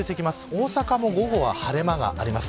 大阪も午後は晴れ間があります。